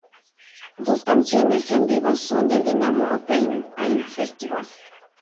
Las canciones en vivo son del Dynamo Open Air Festival.